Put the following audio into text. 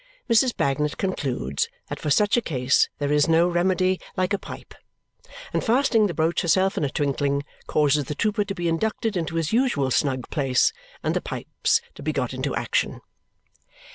Mrs. Bagnet concludes that for such a case there is no remedy like a pipe, and fastening the brooch herself in a twinkling, causes the trooper to be inducted into his usual snug place and the pipes to be got into action.